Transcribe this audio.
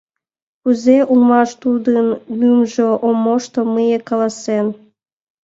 Кузе улмаш тудын лӱмжӧ Ом мошто мые каласен.